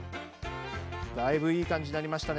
だいぶいい感じになりましたね。